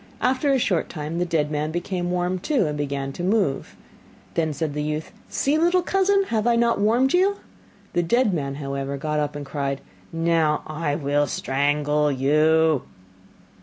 After a short time the dead man became warm too, and began to move. Then said the youth, 'See, little cousin, have I not warmed you?' The dead man, however, got up and cried: 'Now will I strangle you.